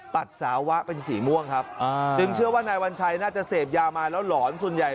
ปัสสาวะเป็นสีม่วงครับจึงเชื่อว่านายวัญชัยน่าจะเสพยามาแล้วหลอนส่วนใหญ่